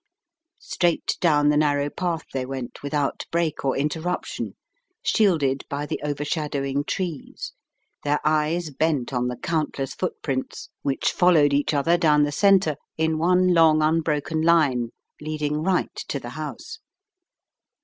Straight down the narrow path they went with out break or interruption, shielded by the over shadowing trees, their eyes bent on the countless footprints which followed each other down the 114 The Riddle of the Purple Emperor centre in one long unbroken line leading right to the house.